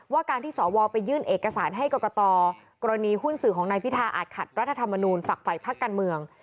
การที่สวไปยื่นเอกสารให้กรกตกรณีหุ้นสื่อของนายพิธาอาจขัดรัฐธรรมนูญฝักฝ่ายพักการเมือง